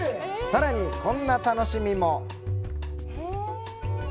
さらにこんな楽しみも。